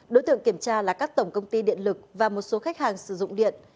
đối tượng kiểm tra là các tổng công ty điện lực và một số khách hàng sử dụng điện